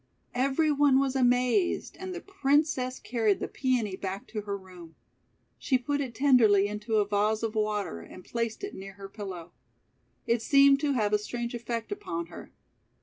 Every one was amazed, and the Princess car ried the Peony back to her room. She put it tenderly into a vase of water, and placed it near her pillow. It seemed to have a strange effect upon her.